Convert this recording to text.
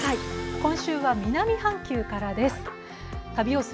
今週は南半球からです。